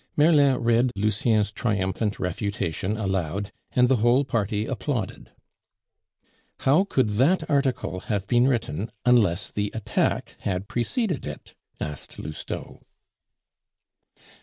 Merlin read Lucien's triumphant refutation aloud, and the whole party applauded. "How could that article have been written unless the attack had preceded it?" asked Lousteau.